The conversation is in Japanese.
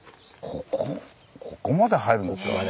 ここここまで入るんですか。